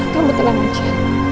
kamu tenang aja